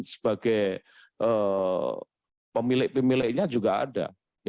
sebagai pemilik pemiliknya juga ada